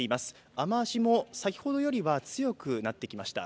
雨足も先ほどよりは強くなってきました。